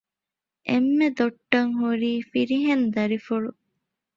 އެންމެ ދޮއްޓަށް ހުރީ ފިރިހެން ދަރިފުޅު